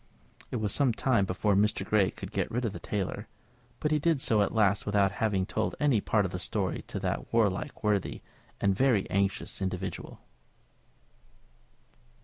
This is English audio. It was some time before Mr. Grey could get rid of the tailor, but he did so at last without having told any part of the story to that warlike, worthy, and very anxious individual.